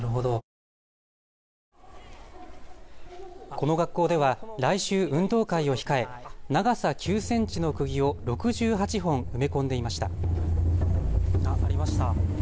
この学校では来週、運動会を控え長さ９センチのくぎを６８本埋め込んでいました。